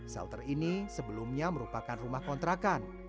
shelter ini sebelumnya merupakan rumah kontrakan